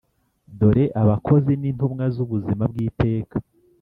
dore abakozi n'intumwa z'ubuzima bw'iteka.